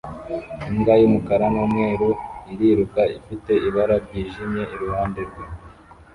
Imbwa y'umukara n'umweru iriruka ifite ibara ryijimye iruhande rwe